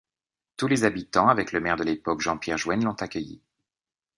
Tous les habitants, avec le maire de l'époque Jean-Pierre Jouenne, l'ont accueilli.